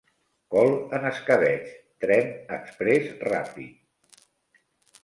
Col en escabetx Tren exprés ràpid